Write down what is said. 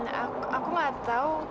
ehm aku gak tau